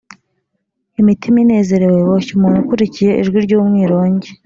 imitima inezerwe, boshye umuntu ukurikiye ijwi ry’umwirongi,